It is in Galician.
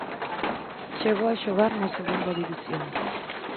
Chegou a xogar na Segunda División.